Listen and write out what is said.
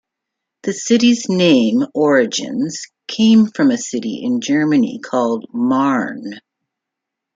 The city's name origins came from a city in Germany called Marne.